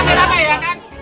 masih rame rame ya kan